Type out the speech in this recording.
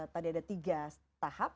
tadi ada tiga tahap